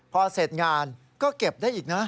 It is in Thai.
พอเสร็จงานก็เก็บได้อีกนะ